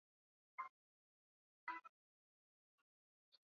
Washtakiwa hao wa kiraia ni pamoja na wanawake wane